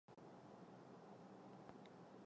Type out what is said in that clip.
绛县华溪蟹为溪蟹科华溪蟹属的动物。